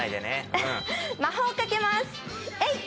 魔法をかけます、えいっ！